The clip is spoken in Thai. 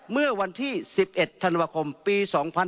เมื่อวันที่๑๑ธันวาคมปี๒๕๕๙